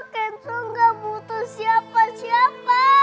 kentung gak butuh siapa siapa